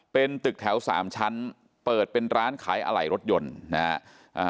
เป็นตึกแถวสามชั้นเปิดเป็นร้านขายอะไหล่รถยนต์นะฮะ